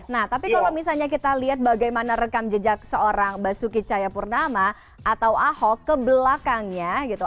nah tapi kalau misalnya kita lihat bagaimana rekam jejak seorang basuki cahayapurnama atau ahok ke belakangnya gitu